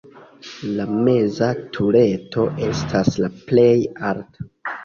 La meza tureto estas la plej alta.